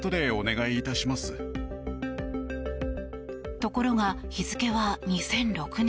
ところが日付は２００６年。